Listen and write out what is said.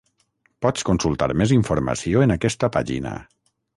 Pots consultar més informació en aquesta pàgina.